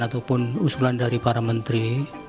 ataupun usulan dari para menteri